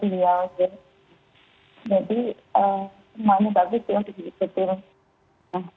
jadi semuanya bagus sih untuk diikuti